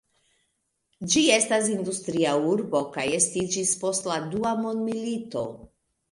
Ĝi estas industria urbo kaj estiĝis post la dua mondmilito.